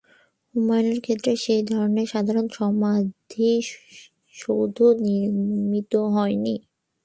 হুমায়ুনের ক্ষেত্রে সেই ধরনের সাধারণ সমাধিসৌধ নির্মিত হয়নি।